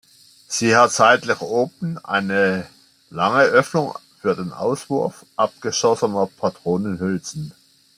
Sie hat seitlich oben eine lange Öffnung für den Auswurf abgeschossener Patronenhülsen.